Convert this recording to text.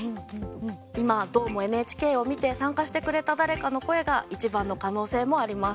今「どーも、ＮＨＫ」を見て参加してくれた誰かの声がいちばんの可能性もあります。